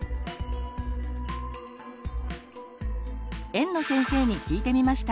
園の先生に聞いてみました。